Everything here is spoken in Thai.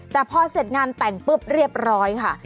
แต่พอเสร็จงานแต่งปุ๊บเรียบร้อยค่ะ